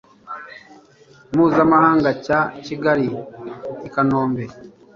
mpuzamahanga cya Kigali i Kanombe